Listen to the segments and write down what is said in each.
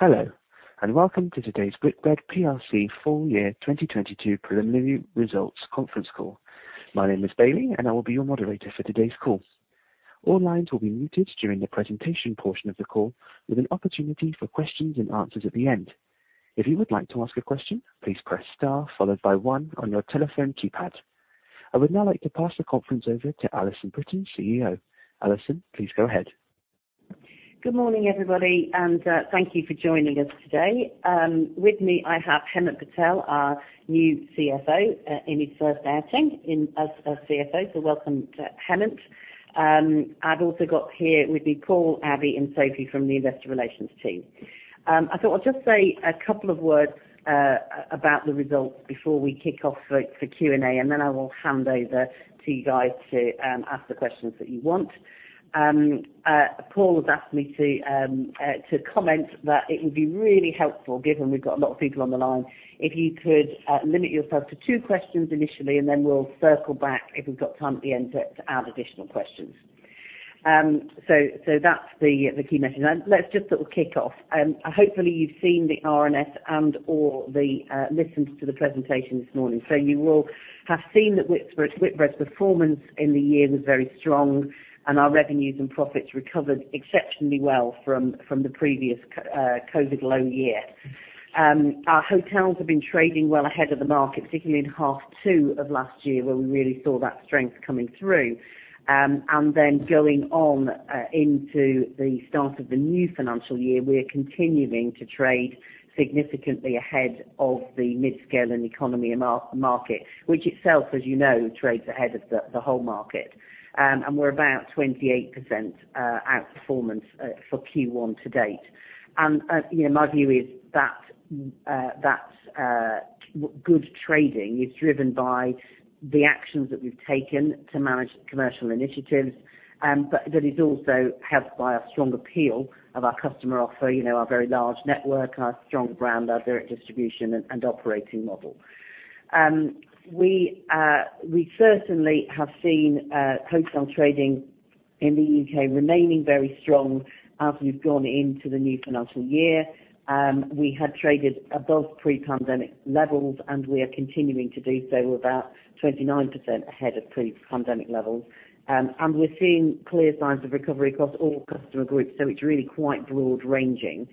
Hello, and welcome to today's Whitbread PLC full year 2022 preliminary results conference call. My name is Bailey, and I will be your moderator for today's call. All lines will be muted during the presentation portion of the call, with an opportunity for questions and answers at the end. If you would like to ask a question, please press star followed by one on your telephone keypad. I would now like to pass the conference over to Alison Brittain, CEO. Alison, please go ahead. Good morning, everybody, and thank you for joining us today. With me, I have Hemant Patel, our new CFO, in his first outing as CFO. Welcome to Hemant. I've also got here with me, Paul, Abby, and Sophie from the investor relations team. I thought I'll just say a couple of words about the results before we kick off for Q&A, and then I will hand over to you guys to ask the questions that you want. Paul has asked me to comment that it would be really helpful, given we've got a lot of people on the line, if you could limit yourself to two questions initially, and then we'll circle back if we've got time at the end to add additional questions. That's the key message. Let's just sort of kick off. Hopefully you've seen the RNS and/or listened to the presentation this morning. You will have seen that Whitbread's performance in the year was very strong and our revenues and profits recovered exceptionally well from the previous COVID low year. Our hotels have been trading well ahead of the market, particularly in half two of last year, where we really saw that strength coming through. Going on into the start of the new financial year, we are continuing to trade significantly ahead of the mid-scale and economy market, which itself, as you know, trades ahead of the whole market. We're about 28% outperformance for Q1 to date. My view is that good trading is driven by the actions that we've taken to manage commercial initiatives, but that is also helped by a strong appeal of our customer offer, you know, our very large network, our strong brand, our direct distribution and operating model. We certainly have seen hotel trading in the U.K. remaining very strong as we've gone into the new financial year. We had traded above pre-pandemic levels, and we are continuing to do so, about 29% ahead of pre-pandemic levels. We're seeing clear signs of recovery across all customer groups, so it's really quite broad-ranging.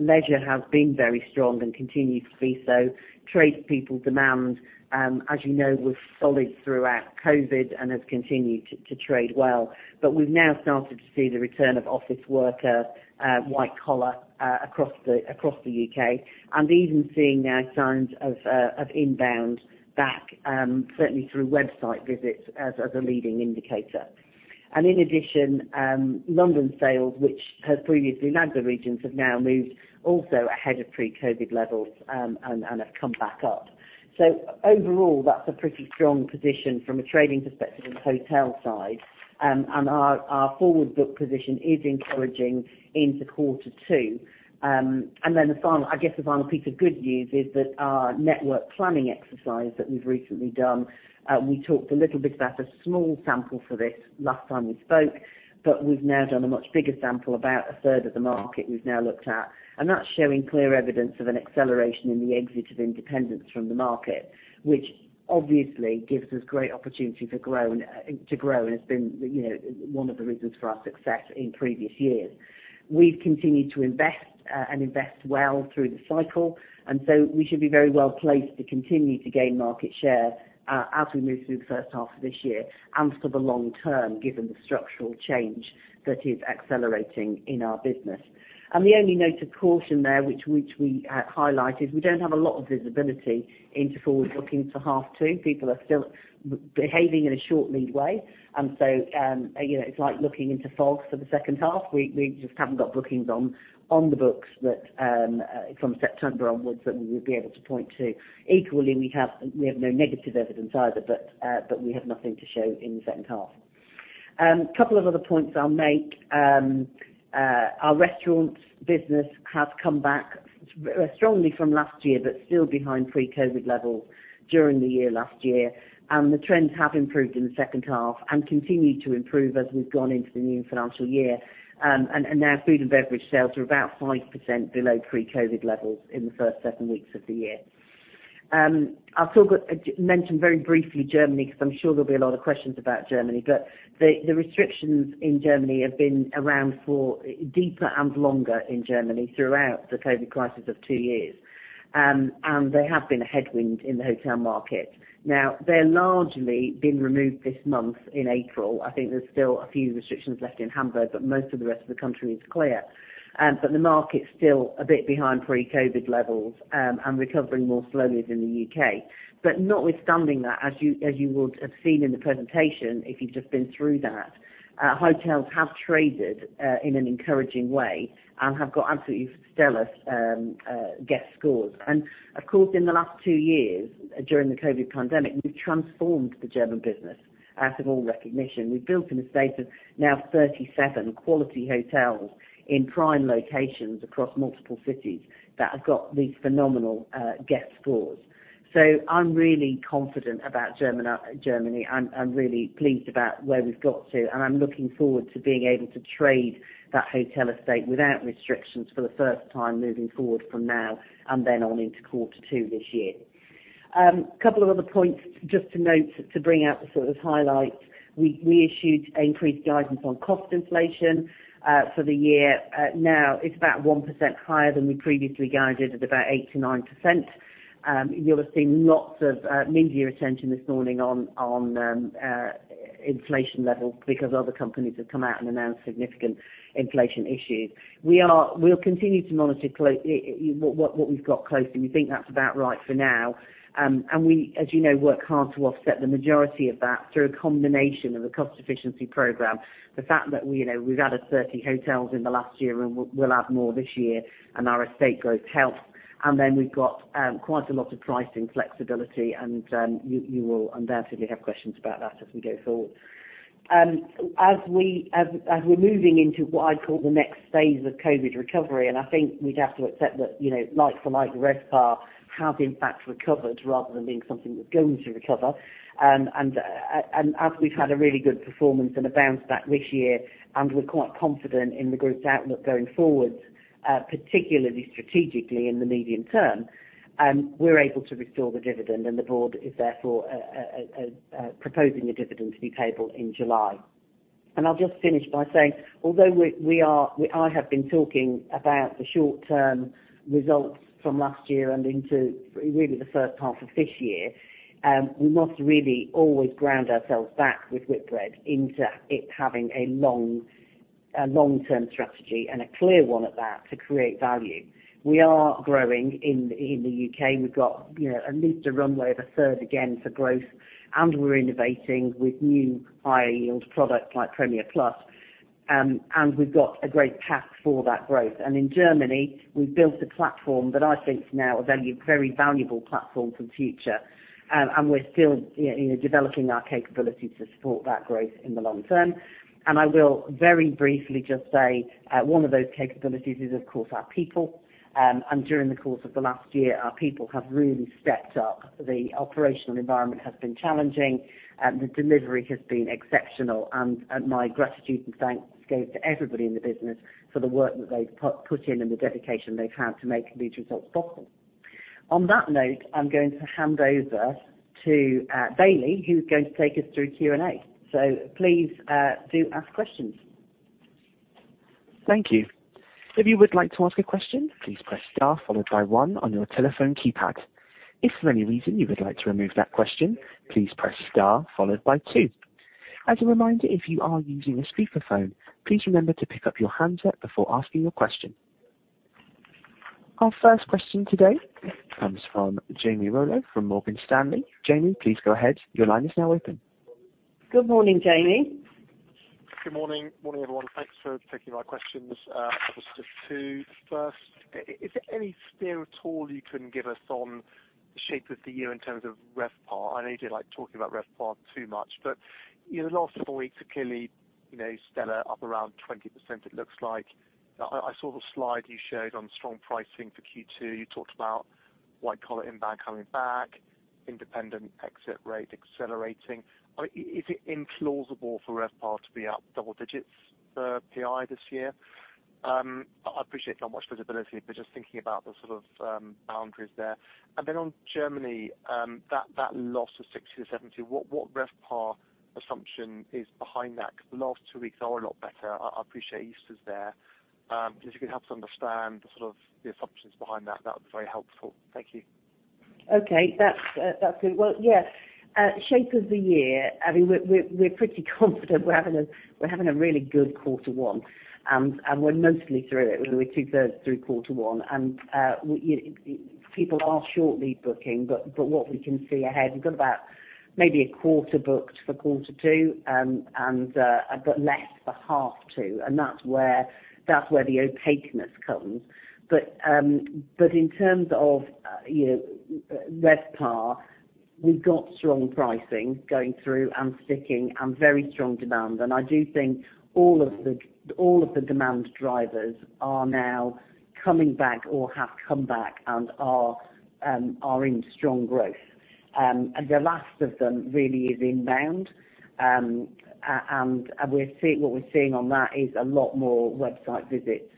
Leisure has been very strong and continues to be so. Tradespeople demand, as you know, was solid throughout COVID and has continued to trade well. We've now started to see the return of office worker, white collar, across the U.K., and even seeing now signs of inbound bookings certainly through website visits as a leading indicator. In addition, London sales, which has previously lagged the regions, have now moved also ahead of pre-COVID levels, and have come back up. Overall, that's a pretty strong position from a trading perspective and hotel side. Our forward book position is encouraging into quarter two. Then, I guess, the final piece of good news is that our network planning exercise that we've recently done, we talked a little bit about a small sample for this last time we spoke, but we've now done a much bigger sample. About a third of the market we've now looked at. That's showing clear evidence of an acceleration in the exit of independents from the market, which obviously gives us great opportunity to grow and has been, you know, one of the reasons for our success in previous years. We've continued to invest and invest well through the cycle, and so we should be very well placed to continue to gain market share as we move through the first half of this year and for the long term, given the structural change that is accelerating in our business. The only note of caution there, which we highlighted, we don't have a lot of visibility into forward bookings for half two. People are still behaving in a short lead way. You know, it's like looking into fog for the second half. We just haven't got bookings on the books that from September onwards that we would be able to point to. Equally, we have no negative evidence either, but we have nothing to show in the second half. Couple of other points I'll make. Our restaurants business has come back strongly from last year, but still behind pre-COVID level during the year last year. The trends have improved in the second half and continued to improve as we've gone into the new financial year. Now food and beverage sales are about 5% below pre-COVID levels in the first seven weeks of the year. I've still got to mention very briefly Germany, because I'm sure there'll be a lot of questions about Germany. The restrictions in Germany have been around for deeper and longer in Germany throughout the COVID crisis of two years. They have been a headwind in the hotel market. Now, they're largely being removed this month in April. I think there's still a few restrictions left in Hamburg, but most of the rest of the country is clear. The market's still a bit behind pre-COVID levels and recovering more slowly than the U.K. Notwithstanding that, as you would have seen in the presentation, if you've just been through that, hotels have traded in an encouraging way and have got absolutely stellar guest scores. Of course, in the last two years, during the COVID pandemic, we've transformed the German business out of all recognition. We've built an estate of now 37 quality hotels in prime locations across multiple cities that have got these phenomenal guest scores. I'm really confident about Germany. I'm really pleased about where we've got to, and I'm looking forward to being able to trade that hotel estate without restrictions for the first time moving forward from now and then on into quarter two this year. Couple of other points just to note to bring out the sort of highlights. We issued increased guidance on cost inflation for the year. Now it's about 1% higher than we previously guided at about 8%-9%. You'll have seen lots of media attention this morning on inflation levels because other companies have come out and announced significant inflation issues. We'll continue to monitor what we've got closely. We think that's about right for now. As you know, we work hard to offset the majority of that through a combination of a cost efficiency program. The fact that, you know, we've added 30 hotels in the last year and we'll add more this year and our estate growth helps. Then we've got quite a lot of pricing flexibility and you will undoubtedly have questions about that as we go forward. As we're moving into what I'd call the next phase of COVID recovery, and I think we'd have to accept that, you know, like like-for-like RevPAR have in fact recovered rather than being something that's going to recover. As we've had a really good performance and a bounce back this year, and we're quite confident in the group's outlook going forward, particularly strategically in the medium term, we're able to restore the dividend and the board is therefore proposing a dividend to be payable in July. I'll just finish by saying, although I have been talking about the short-term results from last year and into really the first half of this year, we must really always ground ourselves back with Whitbread into it having a long-term strategy and a clear one at that to create value. We are growing in the U.K. We've got, you know, at least a runway of a third again for growth, and we're innovating with new higher yield products like Premier Plus. We've got a great path for that growth. In Germany, we've built a platform that I think is now a very, very valuable platform for the future. We're still, you know, developing our capability to support that growth in the long term. I will very briefly just say, one of those capabilities is, of course, our people. During the course of the last year, our people have really stepped up. The operational environment has been challenging, and the delivery has been exceptional. My gratitude and thanks goes to everybody in the business for the work that they've put in and the dedication they've had to make these results possible. On that note, I'm going to hand over to Bailey, who's going to take us through Q&A. Please, do ask questions. Thank you. If you would like to ask a question, please press star followed by one on your telephone keypad. If for any reason you would like to remove that question, please press star followed by two. As a reminder, if you are using a speakerphone, please remember to pick up your handset before asking your question. Our first question today comes from Jamie Rollo from Morgan Stanley. Jamie, please go ahead. Your line is now open. Good morning, Jamie. Good morning. Morning, everyone. Thanks for taking my questions. I have just two. First, is there any steer at all you can give us on the shape of the year in terms of RevPAR? I know you don't like talking about RevPAR too much, but you know, the last four weeks are clearly you know, stellar, up around 20% it looks like. I saw the slide you showed on strong pricing for Q2. You talked about white-collar inbound coming back, independent exit rate accelerating. I mean, is it implausible for RevPAR to be up double digits for PI this year? I appreciate not much visibility, but just thinking about the sort of boundaries there. On Germany, that loss of 60-70, what RevPAR assumption is behind that? Because the last two weeks are a lot better. I appreciate it's there. If you could help us understand the sort of assumptions behind that would be very helpful. Thank you. Okay. That's good. Well, yeah, shape of the year, I mean, we're pretty confident we're having a really good quarter one, and we're mostly through it. We're two-thirds through quarter one, and people are shortly booking, but what we can see ahead, we've got about maybe a quarter booked for quarter two, but less for half two. That's where the opaqueness comes. In terms of, you know, RevPAR, we've got strong pricing going through and sticking and very strong demand. I do think all of the demand drivers are now coming back or have come back and are in strong growth. The last of them really is inbound. What we're seeing on that is a lot more website visits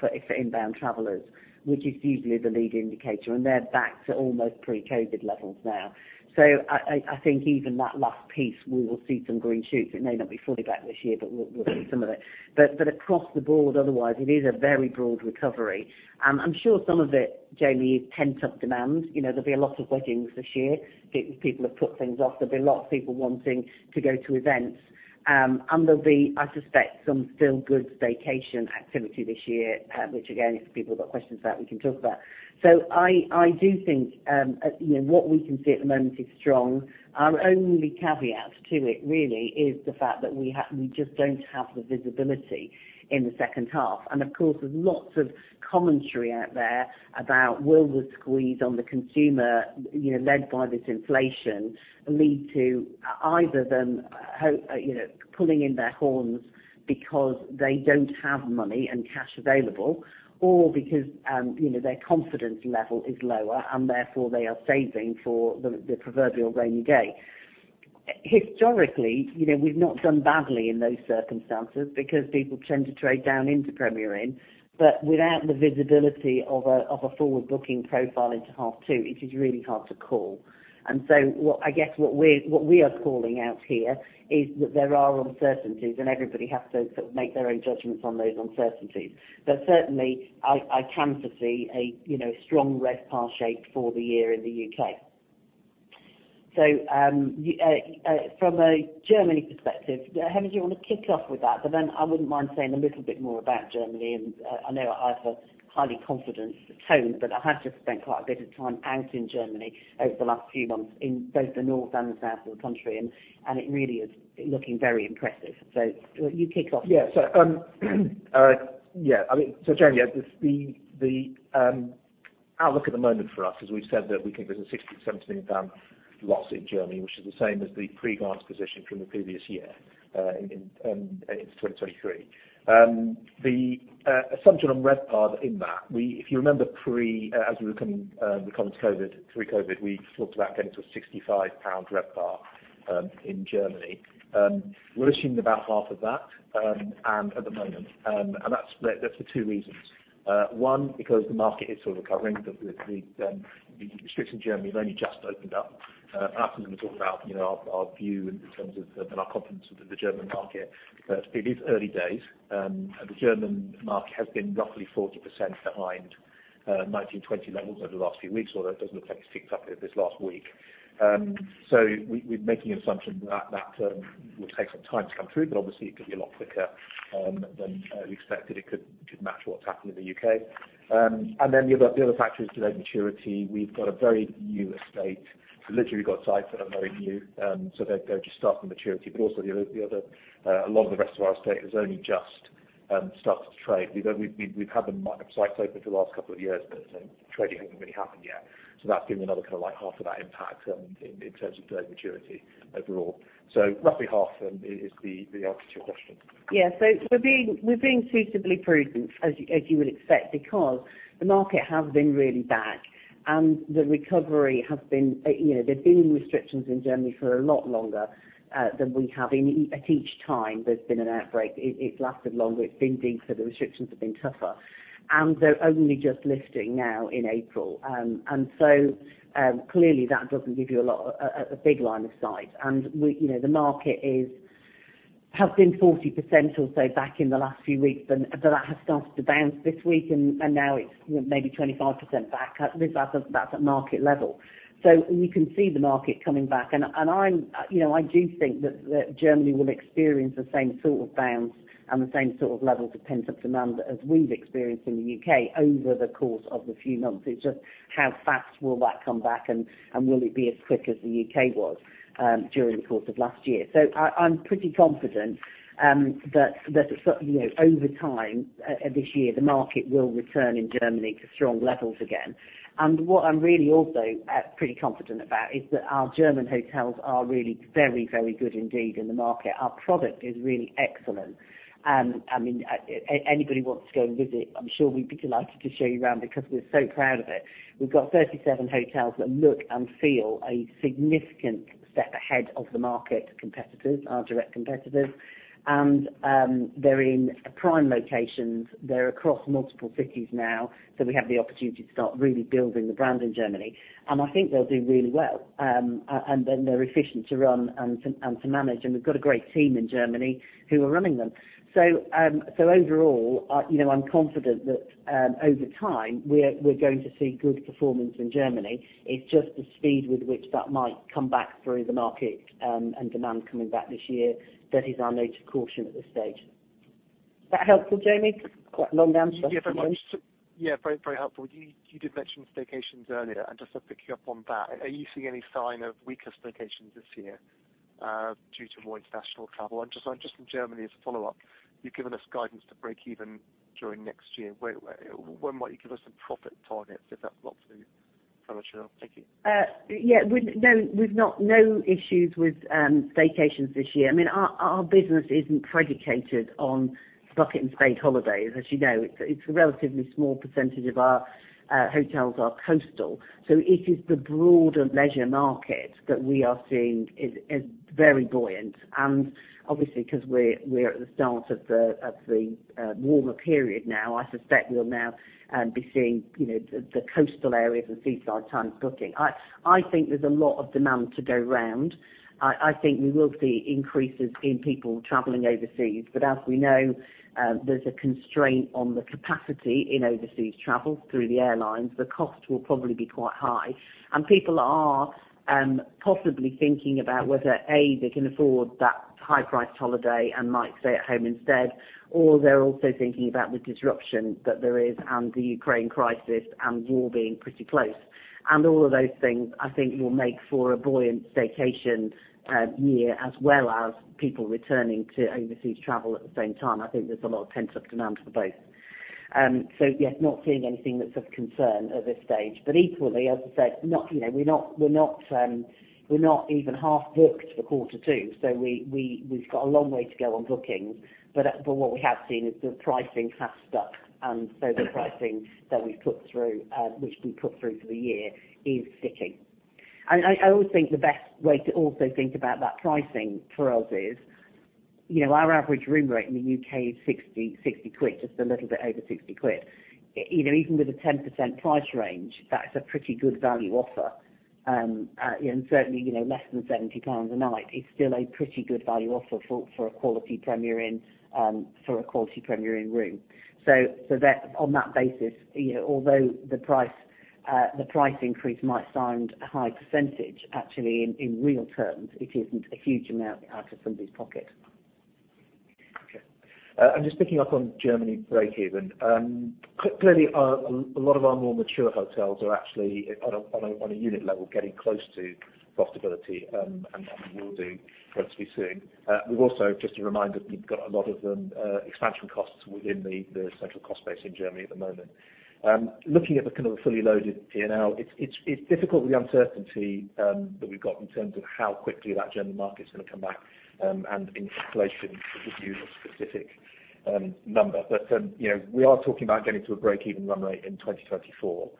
for inbound travelers, which is usually the lead indicator, and they're back to almost pre-COVID levels now. I think even that last piece, we will see some green shoots. It may not be fully back this year, but we'll see some of it. Across the board, otherwise, it is a very broad recovery. I'm sure some of it, Jamie, is pent-up demand. You know, there'll be a lot of weddings this year. People have put things off. There'll be a lot of people wanting to go to events. I suspect there'll be some still good staycation activity this year, which again, if people have got questions about, we can talk about. I do think you know what we can see at the moment is strong. Our only caveat to it really is the fact that we just don't have the visibility in the second half. Of course, there's lots of commentary out there about will the squeeze on the consumer you know led by this inflation lead to either them you know pulling in their horns because they don't have money and cash available, or because you know their confidence level is lower and therefore they are saving for the proverbial rainy day. Historically, you know, we've not done badly in those circumstances because people tend to trade down into Premier Inn, but without the visibility of a forward-booking profile into half two, it is really hard to call. I guess what we are calling out here is that there are uncertainties, and everybody has to sort of make their own judgments on those uncertainties. Certainly, I can foresee, you know, strong RevPAR shape for the year in the U.K. From a Germany perspective, Hemant, do you want to kick off with that? I wouldn't mind saying a little bit more about Germany. I know I have a highly confident tone, but I have just spent quite a bit of time out in Germany over the last few months in both the north and the south of the country, and it really is looking very impressive. Do you kick off? I mean, Germany, the outlook at the moment for us, as we've said that we think there's a 60 million-70 million pound loss in Germany, which is the same as the pre-grant position from the previous year, in 2023. The assumption on RevPAR in that, if you remember, as we were coming through COVID, we talked about getting to a 65 pound RevPAR in Germany. We're assuming about half of that at the moment. That's for two reasons. One, because the market is sort of recovering. The districts in Germany have only just opened up. Alison will talk about, you know, our view in terms of, and our confidence with the German market. It is early days. The German market has been roughly 40% behind 2019-2020 levels over the last few weeks, although it does look like it's picked up a bit this last week. We're making an assumption that that will take some time to come through, but obviously, it could be a lot quicker than we expected. It could match what's happened in the U.K. The other factor is delayed maturity. We've got a very new estate. Literally, we've got sites that are very new. They're just starting maturity. Also the other a lot of the rest of our estate has only just started to trade. We've had the market sites open for the last couple of years, but trading hasn't really happened yet. That's giving another kind of like half of that impact, in terms of delay maturity overall. Roughly half is the answer to your question. Yeah. We're being suitably prudent, as you would expect, because the market has been really bad and the recovery has been, you know, there's been restrictions in Germany for a lot longer than we have. At each time there's been an outbreak, it's lasted longer. It's been deeper. The restrictions have been tougher. They're only just lifting now in April. Clearly that doesn't give you a big line of sight. We, you know, the market has been 40% or so back in the last few weeks. That has started to bounce this week and now it's maybe 25% back. That's at market level. We can see the market coming back. I'm, you know, I do think that Germany will experience the same sort of bounce and the same sort of levels of pent-up demand as we've experienced in the U.K. over the course of the few months. It's just how fast will that come back and will it be as quick as the U.K. was during the course of last year. I'm pretty confident that, you know, over time, this year, the market will return in Germany to strong levels again. What I'm really also pretty confident about is that our German hotels are really very good indeed in the market. Our product is really excellent. I mean, anybody wants to go and visit, I'm sure we'd be delighted to show you around because we're so proud of it. We've got 37 hotels that look and feel a significant step ahead of the market competitors, our direct competitors. They're in prime locations. They're across multiple cities now, so we have the opportunity to start really building the brand in Germany. I think they'll do really well. And then they're efficient to run and to manage. We've got a great team in Germany who are running them. Overall, you know, I'm confident that over time, we're going to see good performance in Germany. It's just the speed with which that might come back through the market and demand coming back this year. That helpful, Jamie? Quite a long answer. Yeah, very much. Yeah, very, very helpful. You did mention staycations earlier, and just to pick you up on that, are you seeing any sign of weaker staycations this year due to more international travel? Just from Germany as a follow-up, you've given us guidance to break even during next year. When might you give us some profit targets, if that's not too premature? Thank you. No issues with staycations this year. I mean, our business isn't predicated on bucket and spade holidays. As you know, it's a relatively small percentage of our hotels are coastal. It is the broader leisure market that we are seeing is very buoyant. Obviously, because we're at the start of the warmer period now, I suspect we'll now be seeing, you know, the coastal areas and seaside towns booking. I think there's a lot of demand to go around. I think we will see increases in people traveling overseas. As we know, there's a constraint on the capacity in overseas travel through the airlines. The cost will probably be quite high. People are possibly thinking about whether, A, they can afford that high-priced holiday and might stay at home instead, or they're also thinking about the disruption that there is and the Ukraine crisis and war being pretty close. All of those things, I think, will make for a buoyant staycation year, as well as people returning to overseas travel at the same time. I think there's a lot of pent-up demand for both. Yes, not seeing anything that's of concern at this stage. Equally, as I said, not, you know, we're not even half booked for quarter two, so we've got a long way to go on bookings. What we have seen is the pricing has stuck, and so the pricing that we've put through, which we put through for the year is sticking. I always think the best way to also think about that pricing for us is. You know, our average room rate in the U.K. is 60 quid, just a little bit over 60 quid. You know, even with a 10% price rise, that's a pretty good value offer. Certainly, you know, less than 70 pounds a night is still a pretty good value offer for a quality Premier Inn, for a quality Premier Inn room. On that basis, you know, although the price, the price increase might sound a high percentage, actually in real terms, it isn't a huge amount out of somebody's pocket. Okay. Just picking up on Germany breakeven, clearly, a lot of our more mature hotels are actually on a unit level getting close to profitability, and will do relatively soon. We've also just a reminder that we've got a lot of expansion costs within the central cost base in Germany at the moment. Looking at the kind of a fully loaded P&L, it's difficult with the uncertainty that we've got in terms of how quickly that German market is gonna come back, and in isolation to give you a specific number. You know, we are talking about getting to a breakeven run rate in 2024.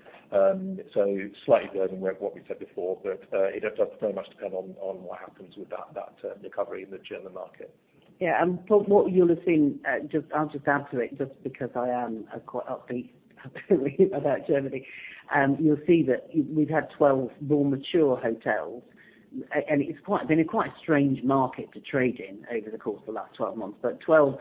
Slightly lower than what we said before, but it ends up very much depend on what happens with that recovery in the German market. What you'll have seen, I'll just add to it just because I'm quite upbeat about Germany. You'll see that we've had 12 more mature hotels and it's been a quite strange market to trade in over the course of the last 12 months. 12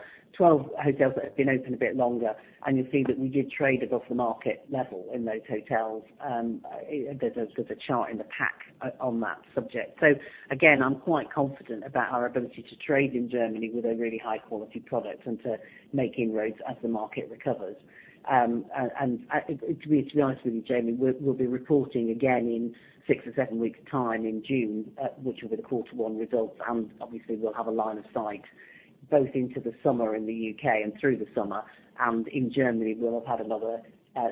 hotels that have been open a bit longer, and you'll see that we did trade above the market level in those hotels. There's a chart in the pack on that subject. I'm quite confident about our ability to trade in Germany with a really high quality product and to make inroads as the market recovers. To be honest with you, Jamie, we'll be reporting again in six or seven weeks time in June, which will be the quarter one results. Obviously, we'll have a line of sight both into the summer in the U.K. and through the summer. In Germany, we'll have had another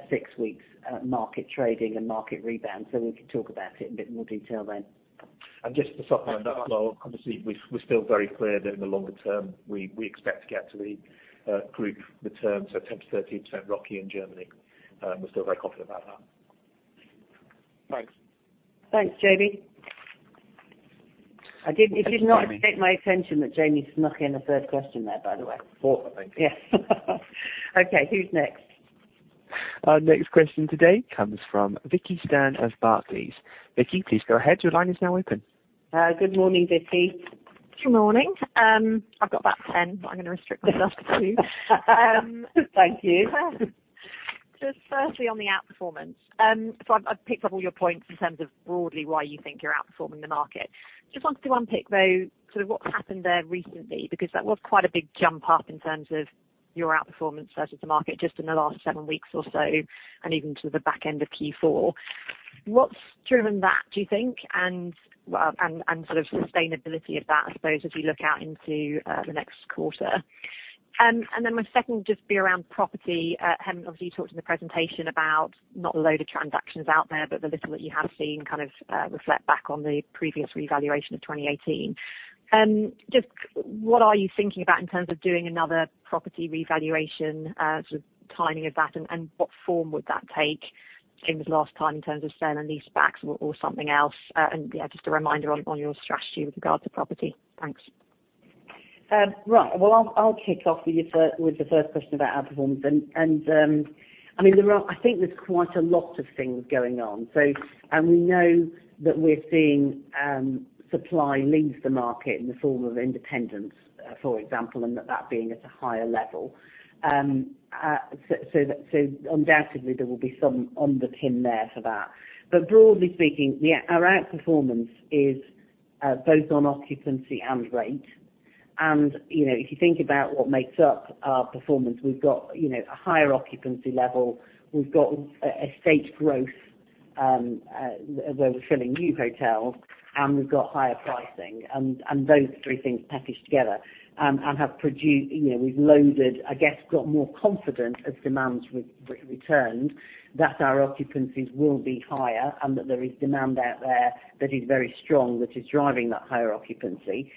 six weeks market trading and market rebound, so we can talk about it in a bit more detail then. Just to supplement that, well, obviously, we're still very clear that in the longer term, we expect to get to the group returns of 10%-13% ROCE in Germany. We're still very confident about that. Thanks. Thanks, Jamie. Thank you, Jamie. It did not escape my attention that Jamie snuck in a third question there, by the way. Fourth, I think. Yeah. Okay, who's next? Our next question today comes from Vicki Stern of Barclays. Vicky, please go ahead. Your line is now open. Good morning, Vicki. Good morning. I've got about 10, but I'm gonna restrict myself to two. Thank you. Just firstly, on the outperformance. I've picked up all your points in terms of broadly why you think you're outperforming the market. Just wanted to unpick, though, sort of what's happened there recently, because that was quite a big jump up in terms of your outperformance versus the market just in the last seven weeks or so, and even to the back end of Q4. What's driven that, do you think? Well, sort of sustainability of that, I suppose, as you look out into the next quarter. My second will just be around property. Hemant Patel, obviously, you talked in the presentation about not a lot of transactions out there, but the little that you have seen kind of reflect back on the previous revaluation of 2018. Just what are you thinking about in terms of doing another property revaluation, sort of timing of that and what form would that take same as last time in terms of sale and leasebacks or something else? Just a reminder on your strategy with regards to property. Thanks. Right. Well, I'll kick off with the first question about outperformance. I mean, I think there's quite a lot of things going on. We know that we're seeing supply leaving the market in the form of independents, for example, and that being at a higher level. Undoubtedly, there will be some underpinning there for that. But broadly speaking, yeah, our outperformance is both on occupancy and rate. You know, if you think about what makes up our performance, we've got you know, a higher occupancy level. We've got estate growth, where we're filling new hotels, and we've got higher pricing. Those three things packaged together, you know, we've loaded, I guess, got more confident as demands returned that our occupancies will be higher and that there is demand out there that is very strong, that is driving that higher occupancy.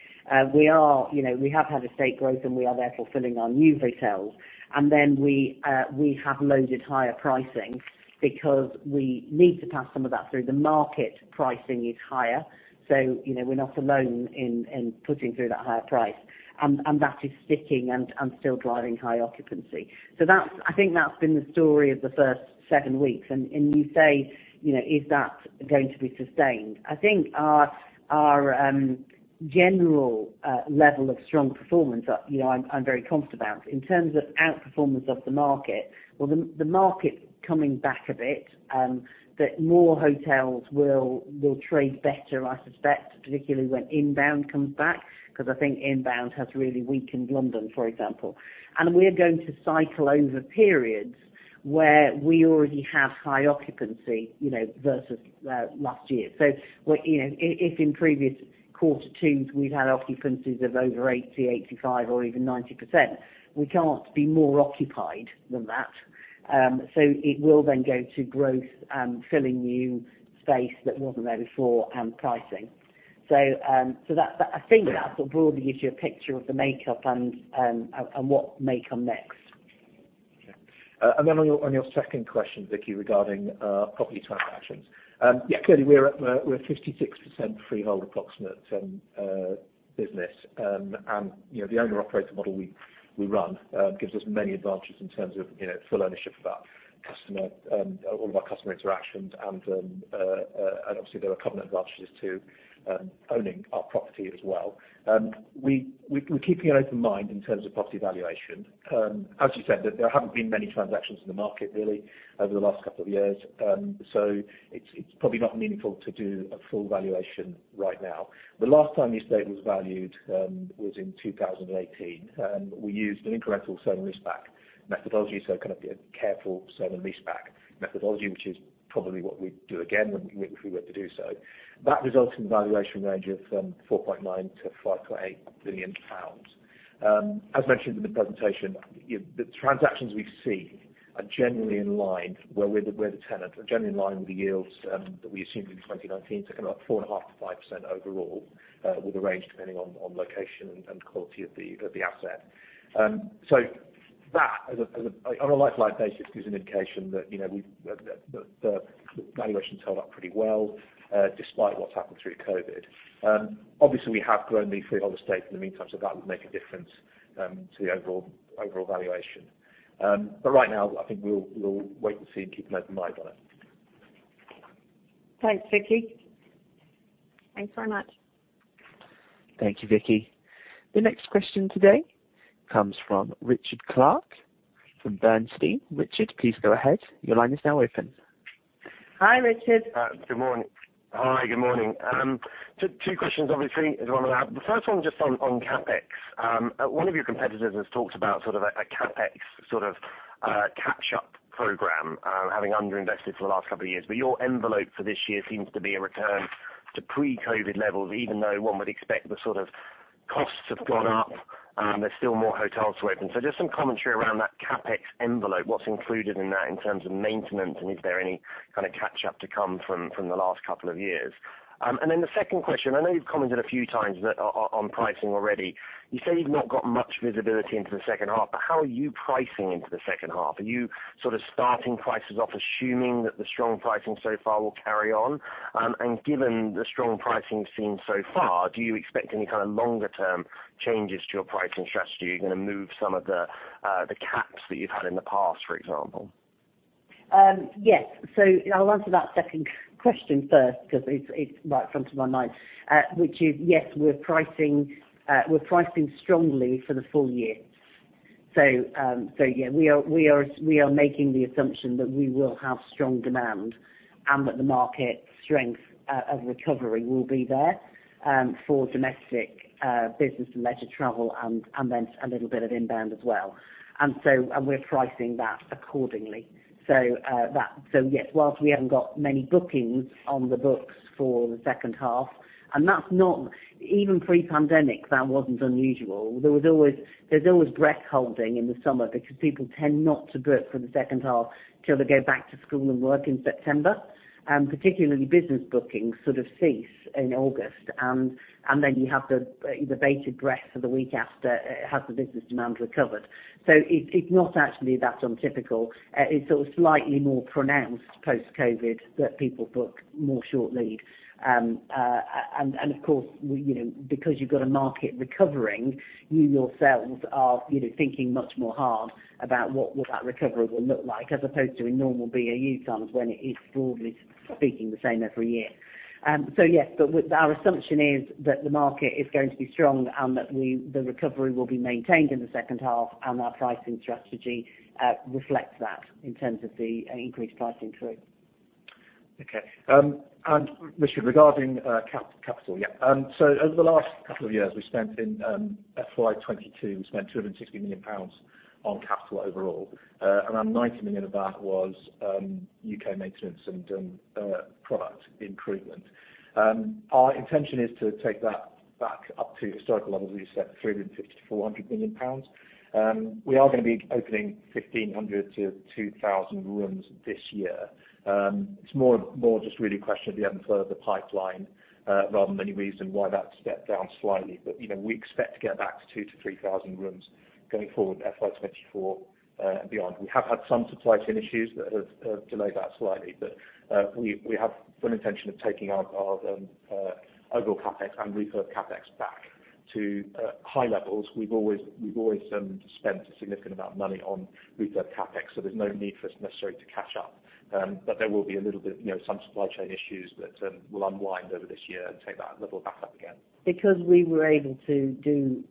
We are, you know, we have had estate growth, and we are therefore filling our new hotels. We have loaded higher pricing because we need to pass some of that through. The market pricing is higher, so, you know, we're not alone in putting through that higher price. That is sticking and still driving high occupancy. That's, I think, that's been the story of the first seven weeks. And you say, you know, "Is that going to be sustained?" I think our general level of strong performance, you know, I'm very confident about. In terms of outperformance of the market, well, the market coming back a bit, that more hotels will trade better, I suspect, particularly when inbound comes back, 'cause I think inbound has really weakened London, for example. We're going to cycle over periods where we already have high occupancy, you know, versus last year. We're, you know, if in previous quarter twos we've had occupancies of over 80, 85 or even 90%, we can't be more occupied than that. It will then go to growth, filling new space that wasn't there before, and pricing. I think that sort of broadly gives you a picture of the makeup and what may come next. On your second question, Vicki, regarding property transactions. Yeah, clearly we're at 56% freehold approximate business. You know, the owner-operator model we run gives us many advantages in terms of, you know, full ownership of our customer all of our customer interactions and obviously there are a couple of advantages to owning our property as well. We're keeping an open mind in terms of property valuation. As you said, there haven't been many transactions in the market really over the last couple of years. It's probably not meaningful to do a full valuation right now. The last time the estate was valued was in 2018, and we used an incremental sale and leaseback methodology, so kind of a careful sale and leaseback methodology, which is probably what we'd do again when, if we were to do so. That results in a valuation range of 4.9 billion-5.8 billion pounds. As mentioned in the presentation, you know, the transactions we see are generally in line where the tenants are generally in line with the yields that we assume in 2019 to kind of 4.5%-5% overall, with a range depending on location and quality of the asset. That on a like-for-like basis gives an indication that, you know, the valuation's held up pretty well, despite what's happened through COVID. Obviously we have grown the freehold estate in the meantime, so that would make a difference to the overall valuation. Right now I think we'll wait and see and keep an open mind on it. Thanks, Vicki. Thanks very much. Thank you, Vicki. The next question today comes from Richard Clarke from Bernstein. Richard, please go ahead. Your line is now open. Hi, Richard. Good morning. Hi, good morning. Two questions, obviously is what I have. The first one just on CapEx. One of your competitors has talked about sort of a CapEx sort of catch up program, having underinvested for the last couple of years. Your envelope for this year seems to be a return to pre-COVID levels, even though one would expect the sort of costs have gone up and there's still more hotels to open. Just some commentary around that CapEx envelope. What's included in that in terms of maintenance and is there any kind of catch up to come from the last couple of years? The second question, I know you've commented a few times that on pricing already. You say you've not got much visibility into the second half, but how are you pricing into the second half? Are you sort of starting prices off assuming that the strong pricing so far will carry on? Given the strong pricing we've seen so far, do you expect any kind of longer term changes to your pricing strategy? Are you gonna move some of the caps that you've had in the past, for example? Yes. I'll answer that second question first because it's right in front of my mind, which is, yes, we're pricing strongly for the full year. Yeah, we are making the assumption that we will have strong demand and that the market strength of recovery will be there, for domestic business and leisure travel and then a little bit of inbound as well. We're pricing that accordingly. Yes, while we haven't got many bookings on the books for the second half. Even pre-pandemic, that wasn't unusual. There was always, there's always breath holding in the summer because people tend not to book for the second half till they go back to school and work in September. Particularly business bookings sort of cease in August. Then you have the bated breath for the week after. Has the business demand recovered? It's not actually that untypical. It's sort of slightly more pronounced post-COVID that people book more short lead. Of course, you know, because you've got a market recovering, you yourselves are, you know, thinking much more hard about what that recovery will look like, as opposed to in normal BAU times when it is broadly speaking the same every year. Yes, but with our assumption is that the market is going to be strong and that the recovery will be maintained in the second half and our pricing strategy reflects that in terms of the increased pricing through. Okay. Richard, regarding capital. Yeah. So over the last couple of years, we spent in FY 2022 260 million pounds on capital overall. Around 90 million of that was U.K. maintenance and product improvement. Our intention is to take that back up to historical levels of 350 million-400 million pounds. We are gonna be opening 1,500-2,000 rooms this year. It's more just really a question of the outflow of the pipeline, rather than any reason why that stepped down slightly. You know, we expect to get back to 2,000-3,000 rooms going forward, FY 2024 and beyond. We have had some supply chain issues that have delayed that slightly, but we have full intention of taking our overall CapEx and refurb CapEx back to high levels. We've always spent a significant amount of money on refurb CapEx, so there's no need for us necessarily to catch up. There will be a little bit, you know, some supply chain issues that will unwind over this year and take that level back up again. Because we were able to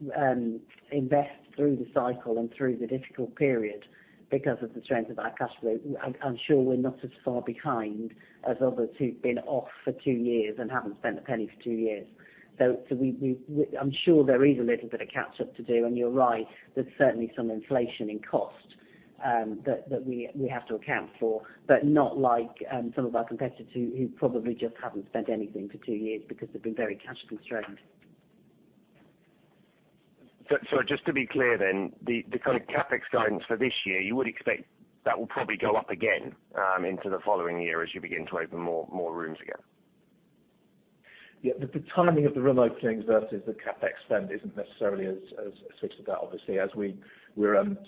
invest through the cycle and through the difficult period because of the strength of our cash flow, I'm sure we're not as far behind as others who've been off for two years and haven't spent a penny for two years. I'm sure there is a little bit of catch up to do, and you're right, there's certainly some inflation in cost that we have to account for, but not like some of our competitors who probably just haven't spent anything for two years because they've been very cash constrained. Just to be clear then, the kind of CapEx guidance for this year, you would expect that will probably go up again into the following year as you begin to open more rooms again? Yeah, the timing of the room openings versus the CapEx spend isn't necessarily as switched to that obviously, as we're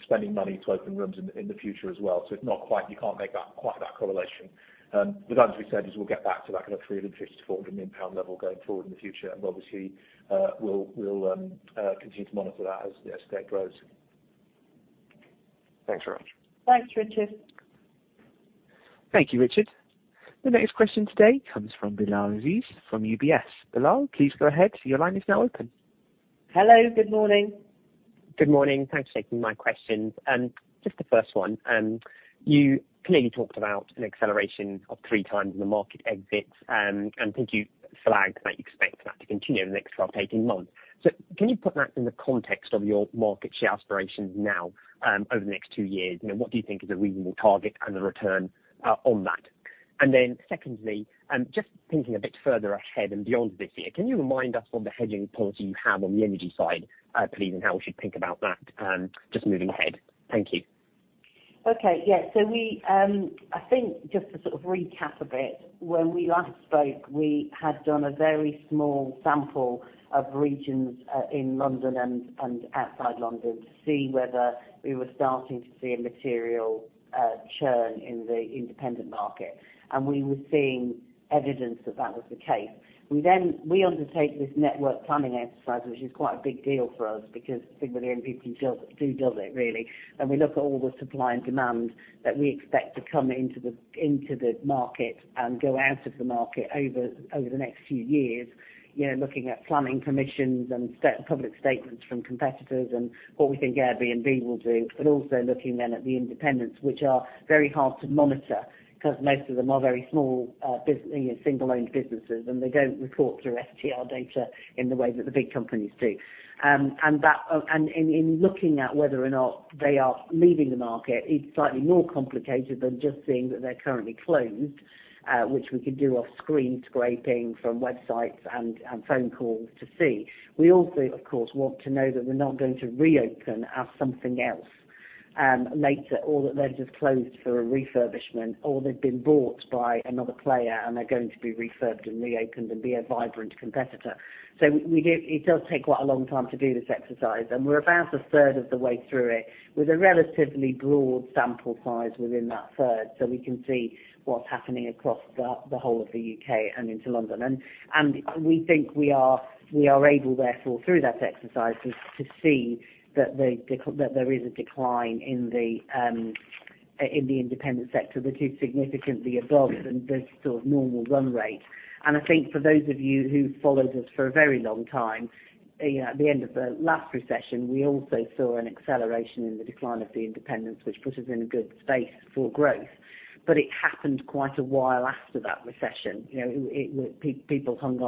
spending money to open rooms in the future as well. It's not quite, you can't make quite that correlation. As we said, we'll get back to that kind of 350 million-400 million pound level going forward in the future. Obviously, we'll continue to monitor that as the estate grows. Thanks very much. Thanks, Richard. Thank you, Richard. The next question today comes from Bilal Aziz from UBS. Bilal, please go ahead. Your line is now open. Hello, good morning. Good morning. Thanks for taking my questions. Just the first one. You clearly talked about an acceleration of 3x in the market exits, and I think you flagged that you expect that to continue in the next 12, 18 months. Can you put that in the context of your market share aspirations now, over the next two years? You know, what do you think is a reasonable target and a return on that? Secondly, just thinking a bit further ahead and beyond this year, can you remind us on the hedging policy you have on the energy side, please, and how we should think about that, just moving ahead? Thank you. Okay. Yeah. We, I think just to sort of recap a bit, when we last spoke, we had done a very small sample of regions in London and outside London to see whether we were starting to see a material churn in the independent market. We were seeing evidence that that was the case. We then undertake this network planning exercise, which is quite a big deal for us because I think million people just does it really. We look at all the supply and demand that we expect to come into the market and go out of the market over the next few years. You know, looking at planning permissions and public statements from competitors and what we think Airbnb will do, but also looking then at the independents, which are very hard to monitor because most of them are very small, you know, single-owned businesses, and they don't report through STR data in the way that the big companies do. In looking at whether or not they are leaving the market, it's slightly more complicated than just seeing that they're currently closed, which we could do off screen scraping from websites and phone calls to see. We also, of course, want to know that we're not going to reopen as something else, later or that they're just closed for a refurbishment or they've been bought by another player and they're going to be refurbed and reopened and be a vibrant competitor. It does take quite a long time to do this exercise, and we're about a third of the way through it with a relatively broad sample size within that third, so we can see what's happening across the whole of the U.K. and into London. We think we are able therefore through that exercise to see that there is a decline in the independent sector that is significantly above the sort of normal run rate. I think for those of you who followed us for a very long time, at the end of the last recession, we also saw an acceleration in the decline of the independents, which put us in a good space for growth. It happened quite a while after that recession. You know, people hung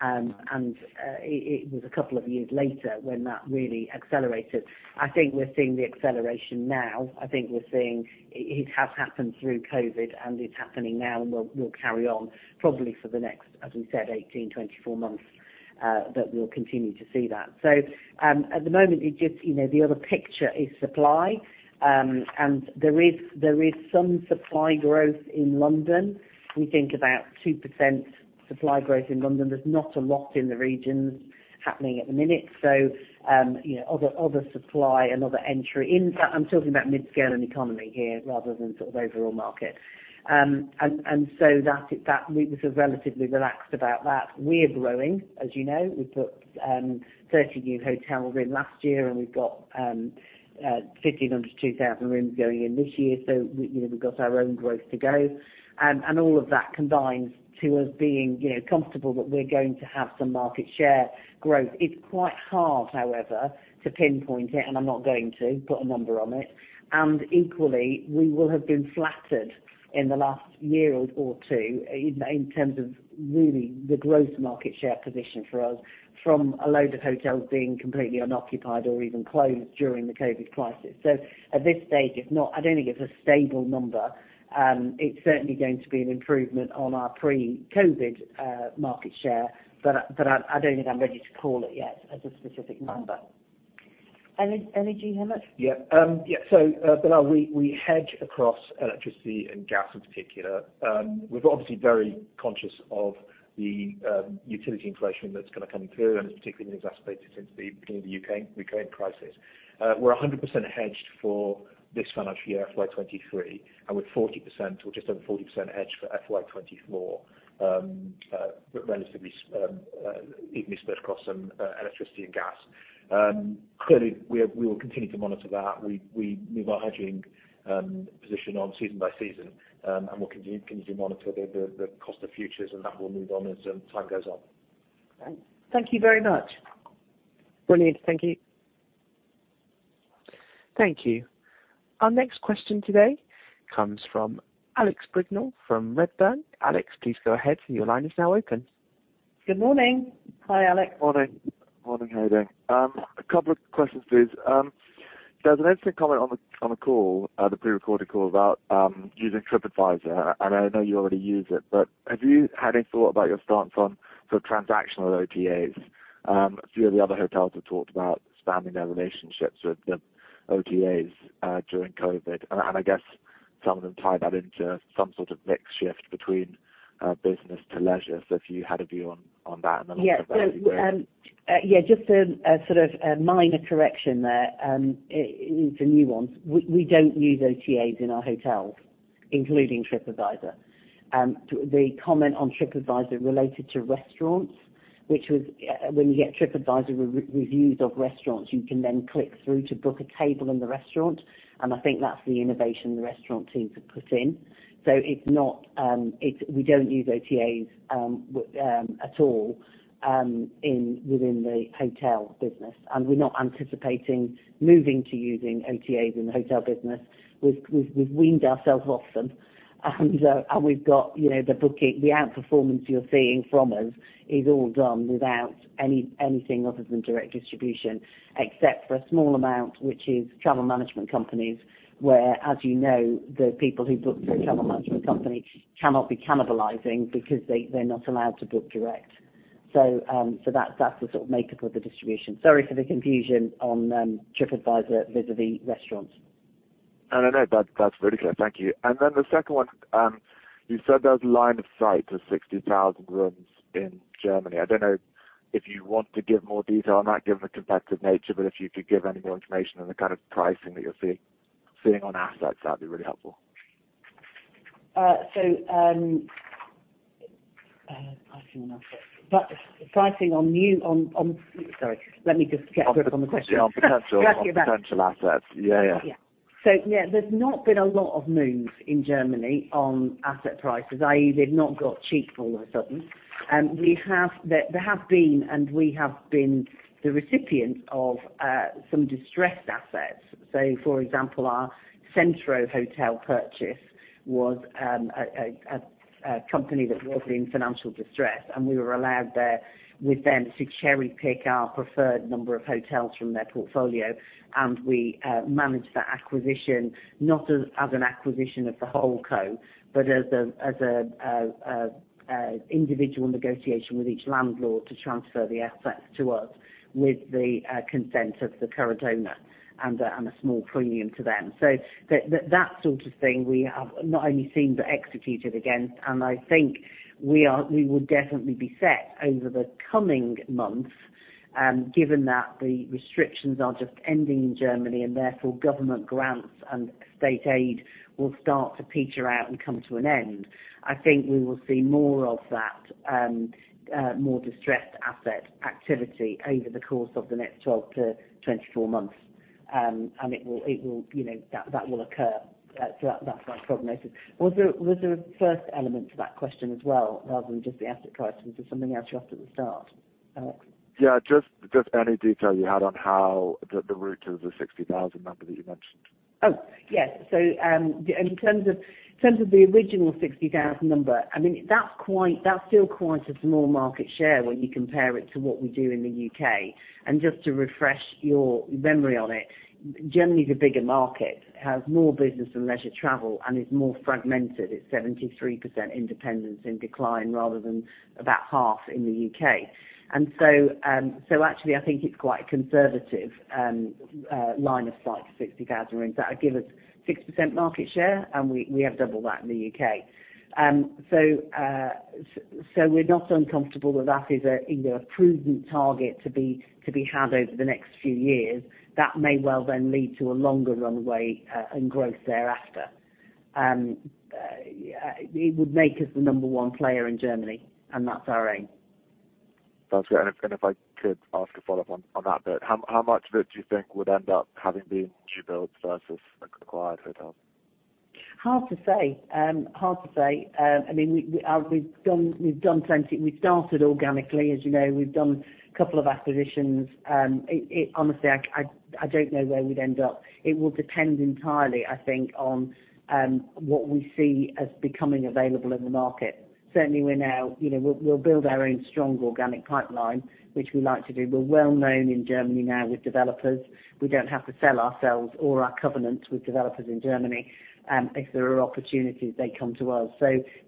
on and it was a couple of years later when that really accelerated. I think we're seeing the acceleration now. I think we're seeing it has happened through COVID, and it's happening now and will carry on probably for the next, as we said, 18-24 months that we'll continue to see that. At the moment, you know, the other picture is supply. There is some supply growth in London. We think about 2% supply growth in London. There's not a lot in the regions happening at the minute. You know, other supply and other entry. I'm talking about mid-scale and economy here rather than sort of overall market. We feel relatively relaxed about that. We're growing, as you know. We've put 30 new hotels in last year and we've got 1,500-2,000 rooms going in this year. We know we've got our own growth to go. All of that combines to us being, you know, comfortable that we're going to have some market share growth. It's quite hard, however, to pinpoint it, and I'm not going to put a number on it. Equally, we will have been flattered in the last year or two in terms of really the gross market share position for us from a load of hotels being completely unoccupied or even closed during the COVID crisis. At this stage, if not, I don't think it's a stable number. It's certainly going to be an improvement on our pre-COVID market share, but I don't think I'm ready to call it yet as a specific number. Energy, Hemant? Yeah. Bilal, we hedge across electricity and gas in particular. We're obviously very conscious of the utility inflation that's gonna come through and it's particularly been exacerbated since the beginning of the Ukraine crisis. We're 100% hedged for this financial year, FY 2023, and we're 40% or just over 40% hedged for FY 2024, relatively evenly spread across electricity and gas. Clearly, we will continue to monitor that. We move our hedging position season by season, and we'll continue to monitor the cost of futures, and that will move on as time goes on. Great. Thank you very much. Brilliant. Thank you. Thank you. Our next question today comes from Alex Brignall from Redburn. Alex, please go ahead. Your line is now open. Good morning. Hi, Alex. Morning. Morning. How are you doing? A couple of questions, please. There was an interesting comment on the call, the pre-recorded call about using Tripadvisor. I know you already use it, but have you had any thought about your stance on sort of transactional OTAs? A few of the other hotels have talked about spamming their relationships with the OTAs during COVID. Some of them tie that into some sort of mix shift between business to leisure. If you had a view on that and then also Yeah. Just a sort of minor correction there. It needs a nuance. We don't use OTAs in our hotels, including Tripadvisor. The comment on Tripadvisor related to restaurants, which was when you get Tripadvisor reviews of restaurants, you can then click through to book a table in the restaurant, and I think that's the innovation the restaurant teams have put in. It's not. We don't use OTAs at all in the hotel business, and we're not anticipating moving to using OTAs in the hotel business. We've weaned ourselves off them. We've got, you know, the booking. The outperformance you're seeing from us is all done without anything other than direct distribution, except for a small amount, which is travel management companies, where, as you know, the people who book through travel management company cannot be cannibalizing because they're not allowed to book direct. That's the sort of makeup of the distribution. Sorry for the confusion on Tripadvisor vis-à-vis restaurants. No, that's really clear. Thank you. Then the second one, you said there's line of sight to 60,000 rooms in Germany. I don't know if you want to give more detail on that given the competitive nature, but if you could give any more information on the kind of pricing that you're seeing on assets, that'd be really helpful. Pricing on assets. Sorry. Let me just get grip on the question. On potential- Glad to hear that. Potential assets. Yeah, yeah. Yeah, there's not been a lot of moves in Germany on asset prices, i.e., they've not got cheap all of a sudden. There have been, and we have been the recipient of some distressed assets. For example, our Centro Hotel Group purchase was a company that was in financial distress, and we were allowed there with them to cherry-pick our preferred number of hotels from their portfolio. We managed that acquisition not as an acquisition of the whole co, but as an individual negotiation with each landlord to transfer the assets to us with the consent of the current owner and a small premium to them. That sort of thing we have not only seen but executed against. I think we will definitely be set over the coming months, given that the restrictions are just ending in Germany and therefore government grants and state aid will start to peter out and come to an end. I think we will see more of that, more distressed asset activity over the course of the next 12-24 months. You know, that will occur. That's what I've prognosed. Was there a first element to that question as well, rather than just the asset price? Was there something else you asked at the start, Alex? Yeah, just any detail you had on how the route to the 60,000 number that you mentioned? In terms of the original 60,000 number, I mean, that's still quite a small market share when you compare it to what we do in the U.K. Just to refresh your memory on it, Germany's a bigger market, has more business and leisure travel and is more fragmented. It's 73% independents in decline rather than about 50% in the U.K. Actually, I think it's quite a conservative line of sight to 60,000 rooms. That would give us 6% market share, and we have double that in the U.K. We're not uncomfortable that that is a, you know, a prudent target to be had over the next few years. That may well then lead to a longer runway and growth thereafter. It would make us the number one player in Germany, and that's our aim. Sounds good. If I could ask a follow-up on that bit. How much of it do you think would end up having been new builds versus acquired hotels? Hard to say. Hard to say. I mean, we've done plenty. We've started organically. As you know, we've done couple of acquisitions. Honestly, I don't know where we'd end up. It will depend entirely, I think, on what we see as becoming available in the market. Certainly, we're now. You know, we'll build our own strong organic pipeline, which we like to do. We're well-known in Germany now with developers. We don't have to sell ourselves or our covenants with developers in Germany. If there are opportunities, they come to us.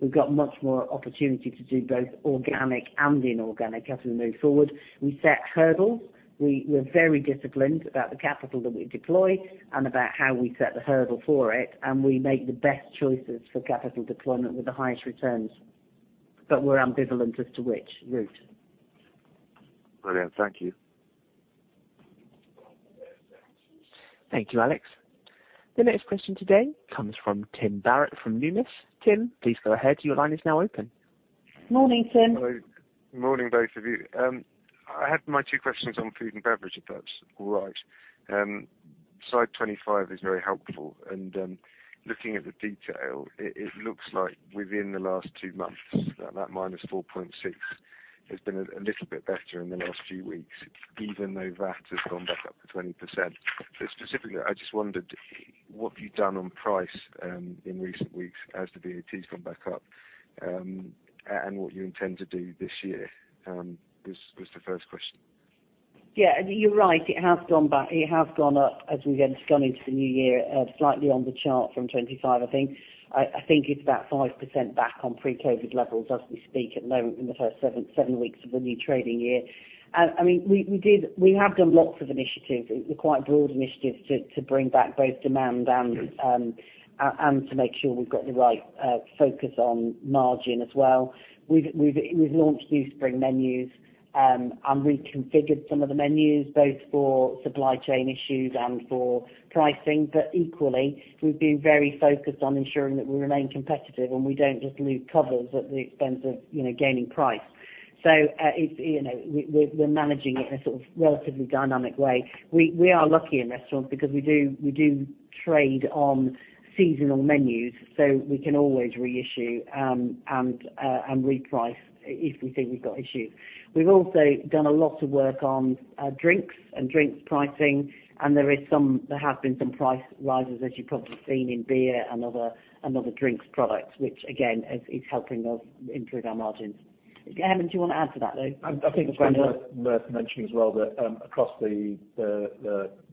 We've got much more opportunity to do both organic and inorganic as we move forward. We set hurdles. We're very disciplined about the capital that we deploy and about how we set the hurdle for it, and we make the best choices for capital deployment with the highest returns. We're ambivalent as to which route. Brilliant. Thank you. Thank you, Alex. The next question today comes from Tim Barrett from Numis. Tim, please go ahead. Your line is now open. Morning, Tim. Hello. Morning, both of you. I had my two questions on food and beverage, if that's all right. Slide 25 is very helpful, and looking at the detail, it looks like within the last two months, that -4.6% has been a little bit better in the last few weeks, even though VAT has gone back up to 20%. Specifically, I just wondered what you've done on price in recent weeks as the VAT's gone back up, and what you intend to do this year was the first question. Yeah, you're right. It has gone back. It has gone up as we've gone into the new year, slightly on the chart from 25, I think. I think it's about 5% back on pre-COVID levels as we speak at the moment in the first seven weeks of a new trading year. I mean, we have done lots of initiatives, quite broad initiatives to bring back both demand and to make sure we've got the right focus on margin as well. We've launched new spring menus and reconfigured some of the menus, both for supply chain issues and for pricing. Equally, we've been very focused on ensuring that we remain competitive, and we don't just lose covers at the expense of, you know, gaining price. It's, you know, we're managing it in a sort of relatively dynamic way. We are lucky in restaurants because we trade on seasonal menus, so we can always reissue and reprice if we think we've got issues. We've also done a lot of work on drinks and pricing, and there have been some price rises, as you've probably seen in beer and other drinks products, which again is helping us improve our margins. Again, do you want to add to that, though? I think it's worth mentioning as well that across the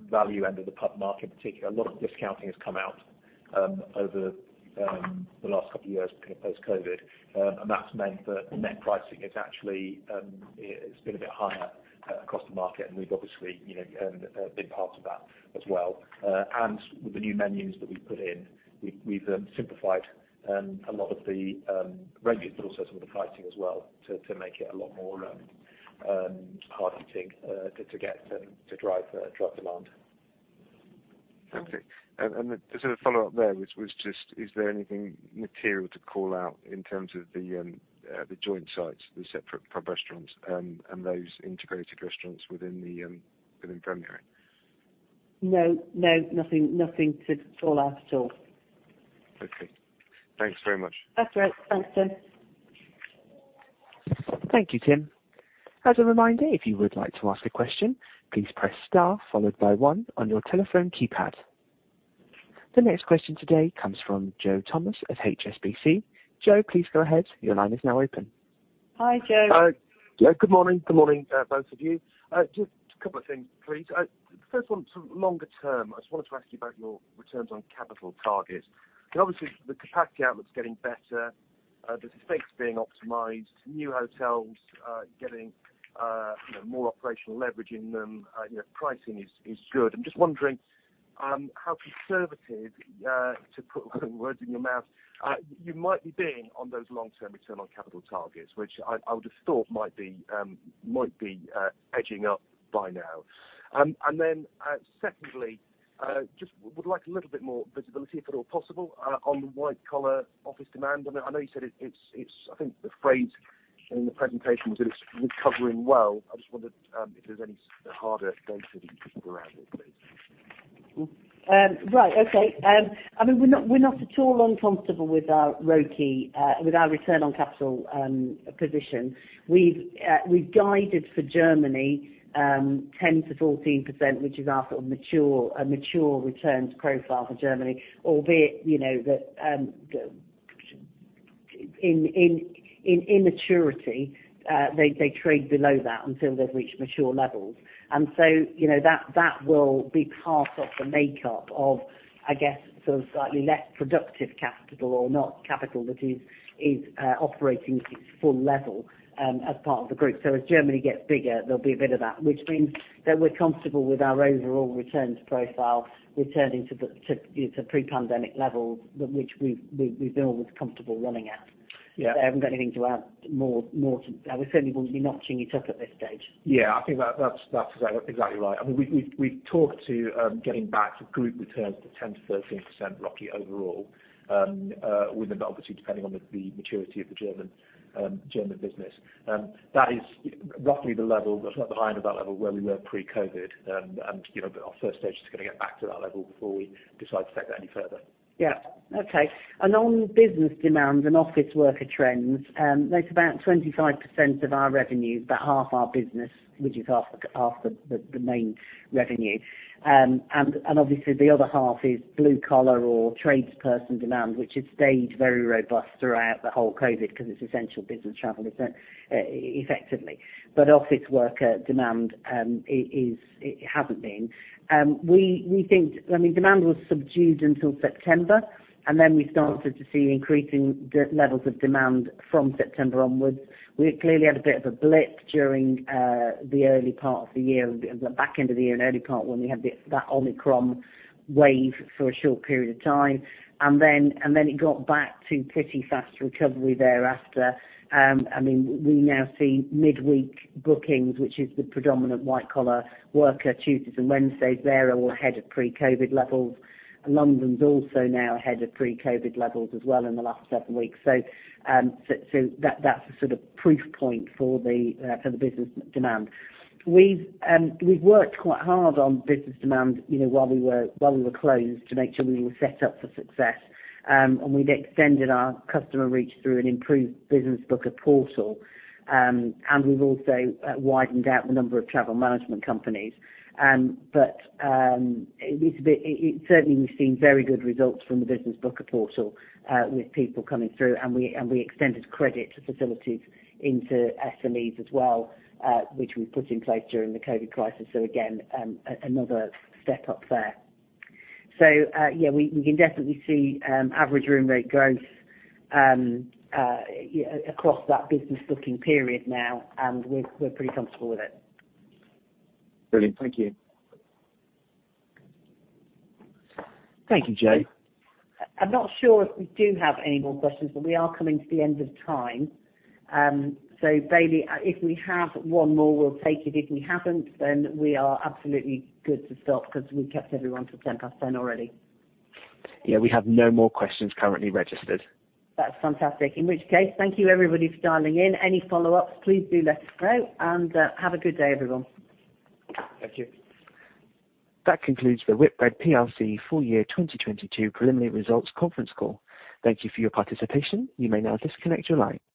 value end of the pub market in particular, a lot of discounting has come out over the last couple of years post-COVID. That's meant that net pricing is actually it's been a bit higher across the market, and we've obviously, you know, been part of that as well. With the new menus that we've put in, we've simplified a lot of the menus, but also some of the pricing as well to make it a lot more hard-hitting to get to drive demand. Okay. Just a follow-up there, which was just, is there anything material to call out in terms of the joint sites, the separate pub restaurants, and those integrated restaurants within Premier Inn? No. Nothing to call out at all. Okay. Thanks very much. That's all right. Thanks, Tim. Thank you, Tim. As a reminder, if you would like to ask a question, please press star followed by one on your telephone keypad. The next question today comes from Joe Thomas at HSBC. Joe, please go ahead. Your line is now open. Hi, Joe. Hi. Yeah, good morning. Good morning, both of you. Just a couple of things, please. The first one, sort of longer term, I just wanted to ask you about your returns on capital targets. Obviously, the capacity outlook's getting better, the estates being optimized, new hotels getting you know more operational leverage in them. You know, pricing is good. I'm just wondering, how conservative, to put words in your mouth, you might be being on those long-term return on capital targets, which I would have thought might be edging up by now. Secondly, just would like a little bit more visibility, if at all possible, on the white-collar office demand. I know you said it. I think the phrase in the presentation was it's recovering well. I just wondered, if there's any harder data that you can put around it, please. I mean, we're not at all uncomfortable with our ROCE with our return on capital position. We've guided for Germany 10%-14%, which is our sort of mature returns profile for Germany, albeit, you know, the immaturity they trade below that until they've reached mature levels. You know, that will be part of the makeup of, I guess, sort of slightly less productive capital or not capital that is operating at its full level as part of the group. As Germany gets bigger, there'll be a bit of that. Which means that we're comfortable with our overall returns profile returning to the pre-pandemic levels that which we've been always comfortable running at. Yeah. I haven't got anything to add more to. We certainly wouldn't be notching it up at this stage. Yeah, I think that's exactly right. I mean, we've talked about getting back to group returns of 10%-13% ROCE overall, with obviously depending on the maturity of the German business. That is roughly the level, but behind that level where we were pre-COVID, and you know, but our first stage is gonna get back to that level before we decide to take that any further. Yeah. Okay. On business demand and office worker trends, that's about 25% of our revenue, about half our business, which is half the main revenue. Obviously the other half is blue collar or tradesperson demand, which has stayed very robust throughout the whole COVID because it's essential business travel effectively. Office worker demand, it hasn't been. We think. I mean, demand was subdued until September, and then we started to see increasing the levels of demand from September onwards. We clearly had a bit of a blip during the early part of the year, the back end of the year and early part when we had that Omicron wave for a short period of time. It got back to pretty fast recovery thereafter. I mean, we now see midweek bookings, which is the predominant white collar worker, Tuesdays and Wednesdays, they're all ahead of pre-COVID levels. London's also now ahead of pre-COVID levels as well in the last several weeks. That's a sort of proof point for the business demand. We've worked quite hard on business demand, you know, while we were closed to make sure we were set up for success. We've extended our customer reach through an improved business booker portal. We've also widened out the number of travel management companies. It's a bit. It certainly, we've seen very good results from the business booking portal with people coming through, and we extended credit facilities into SMEs as well, which we put in place during the COVID crisis. Again, another step up there. Yeah, we can definitely see average room rate growth across that business booking period now, and we're pretty comfortable with it. Brilliant. Thank you. Thank you, Joe. I'm not sure if we do have any more questions, but we are coming to the end of time. Bailey, if we have one more, we'll take it. If we haven't, then we are absolutely good to stop because we kept everyone to 10:10 A.M. already. Yeah, we have no more questions currently registered. That's fantastic. In which case, thank you everybody for dialing in. Any follow-ups, please do let us know and have a good day, everyone. Thank you. That concludes the Whitbread PLC full year 2022 preliminary results conference call. Thank you for your participation. You may now disconnect your line.